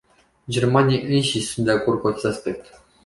Germanii înșiși sunt de acord cu acest aspect.